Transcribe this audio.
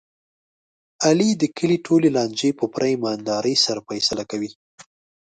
علي د کلي ټولې لانجې په پوره ایماندارۍ سره فیصله کوي.